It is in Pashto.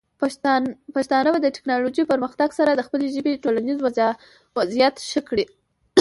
پښتانه به د ټیکنالوجۍ پرمختګ سره د خپلې ژبې ټولنیز وضعیت ښه کړي.